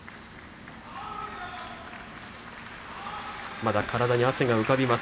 まだ体に汗が浮かびます。